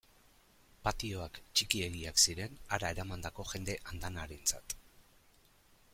Patioak txikiegiak ziren hara eramandako jende andanarentzat.